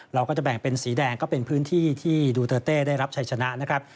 เราก็จะแบ่งเป็นสีแดงก็เป็นพื้นที่ที่ดูเตอร์เต้ได้รับชัยชนะนะครับ